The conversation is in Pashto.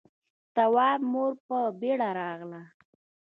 تواب مور په بيړه راغله.